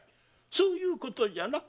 そういうことじゃな？